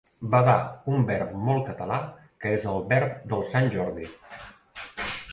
Badar, un verb molt català que és el verb del Sant Jordi.